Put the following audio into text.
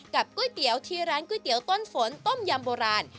ก๋วยเตี๋ยวที่ร้านก๋วยเตี๋ยวต้นฝนต้มยำโบราณ